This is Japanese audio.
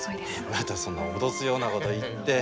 またそんな脅すようなごど言って。